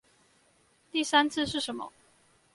第三次是什麼